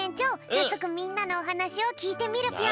さっそくみんなのおはなしをきいてみるぴょん。